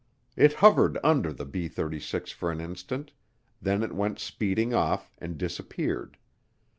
It hovered under the B 36 for an instant, then it went speeding off and disappeared.